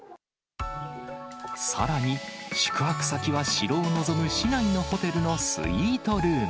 さらに、宿泊先は、城を望む市内のホテルのスイートルーム。